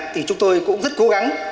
thì chúng tôi cũng rất cố gắng